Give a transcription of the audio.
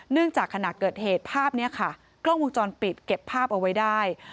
จากขณะเกิดเหตุภาพนี้ค่ะกล้องวงจรปิดเก็บภาพเอาไว้ได้